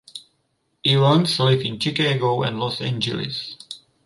Evans lived in Chicago and Los Angeles.